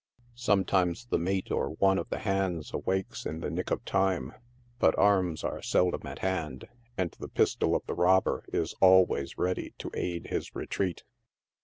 Some times the mate or one of the hands awakes in the nick of time, but arms are seldom at hand, and the pistol of the robber is always ready to aid his retreat.